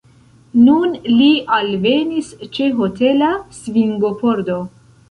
Nun li alvenis ĉe hotela svingopordo.